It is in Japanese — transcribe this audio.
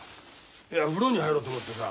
いや風呂に入ろうと思ってさ。